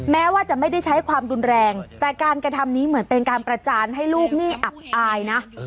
แม้ว่าจะไม่ได้ใช้ความรุนแรงแต่การกระทำนี้เหมือนเป็นการประจานให้ลูกหนี้อับอายนะ